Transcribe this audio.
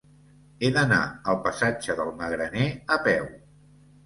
He d'anar al passatge del Magraner a peu.